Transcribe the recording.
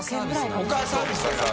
他はサービスだから。